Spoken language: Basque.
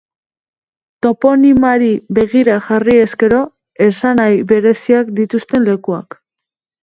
Toponimiari begira jarri ezkero esanahi bereziak dituzten lekuak.